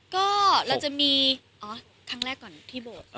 ก็เราจะมีอ๋อครั้งแรกก่อนที่โบสถ์